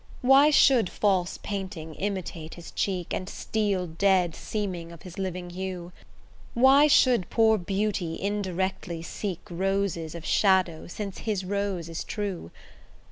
Why should false painting imitate his cheek, And steel dead seeming of his living hue? Why should poor beauty indirectly seek Roses of shadow, since his rose is true?